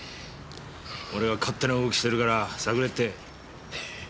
俺が勝手な動きしてるから探れって。